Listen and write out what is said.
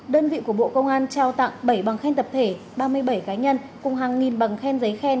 đơn vị của bộ công an trao tặng bảy bằng khen tập thể ba mươi bảy cá nhân cùng hàng nghìn bằng khen giấy khen